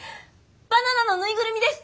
バナナのぬいぐるみです！